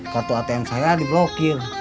kartu atm saya diblokir